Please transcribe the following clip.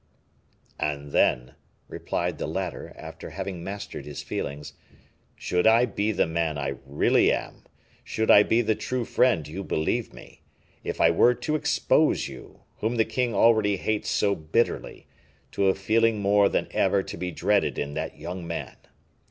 "And then," replied the latter, after having mastered his feelings, "should I be the man I really am, should I be the true friend you believe me, if I were to expose you, whom the king already hates so bitterly, to a feeling more than ever to be dreaded in that young man?